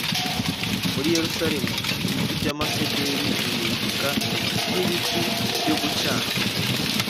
muri Yerusalemu ibiti byamasederi bihinduka nkibiti byo gucana